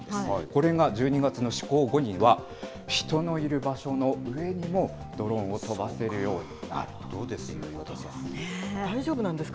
これが１２月の施行後には、人のいる場所の上にもドローンを飛ばせるようになるということでどうです？